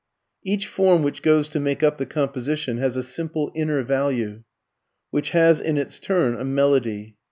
"] Each form which goes to make up the composition has a simple inner value, which has in its turn a melody.